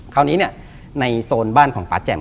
คราวนี้เนี่ยในโซนบ้านของป๊าแจ่ม